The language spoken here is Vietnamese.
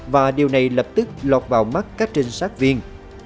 và điều này lập tức lọt vào mắt các trinh sát viên